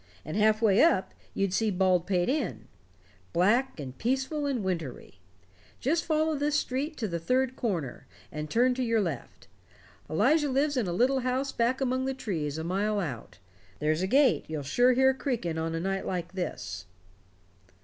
And half way up you'd see Baldpate Inn, black and peaceful and winter y. Just follow this street to the third corner, and turn to your left. Elijah lives in a little house back among the trees a mile out there's a gate you'll sure hear creaking on a night like this."